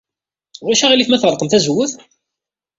Ulac aɣilif ma tɣelqem tazewwut?